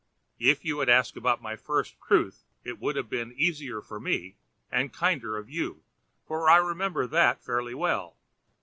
If you had asked about my first truth it would have been easier for me and kinder of you, for I remember that fairly well.